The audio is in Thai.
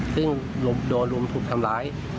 ซึ่งโดนรุมถูกทำร้าย